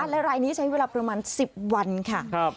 และรายนี้ใช้เวลาประมาณ๑๐วันค่ะ